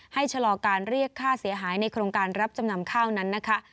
ชะลอการเรียกค่าเสียหายในโครงการรับจำนำข้าวนั้นนะคะ